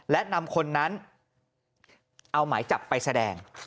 และนำคนนั้นเอาหมายจับไปแสดง